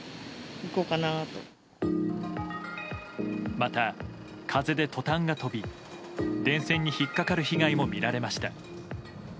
また、風でトタンが飛び電線に引っかかる被害も見られました。